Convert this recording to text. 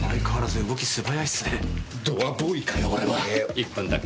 １分だけ。